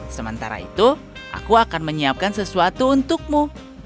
sementara itu aku akan menyiapkan sesuatu untukmu